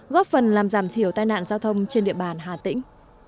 góp phần làm giảm thiểu tai nạn giao thông trên địa bàn hà tĩnh